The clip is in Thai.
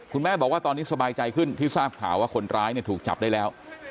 คุณแม่บอกว่าตอนนี้สบายใจขึ้นที่ทราบข่าวว่าคนร้ายถูกจับได้แล้ว